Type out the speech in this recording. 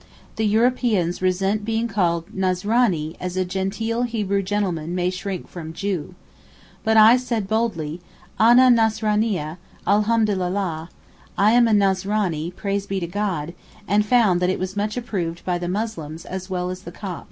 The Europeans resent being called 'Nazranee' as a genteel Hebrew gentleman may shrink from 'Jew.' But I said boldly, 'Ana Nazraneeh. Alhamdulillah!' (I am a Nazranee. Praise be to God), and found that it was much approved by the Muslims as well as the Copts.